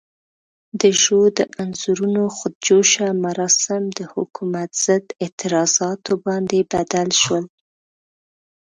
د ژو د انځورونو خود جوشه مراسم د حکومت ضد اعتراضاتو باندې بدل شول.